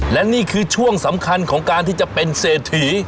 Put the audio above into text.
และนี่คือช่วงสำคัญของการที่จะเป็นเศรษฐี